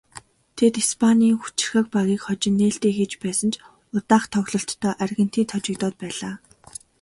Тэд Испанийн хүчирхэг багийг хожин нээлтээ хийж байсан ч удаах тоглолтдоо Аргентинд хожигдоод байлаа.